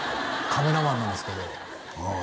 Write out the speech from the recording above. カメラマンなんですけどあ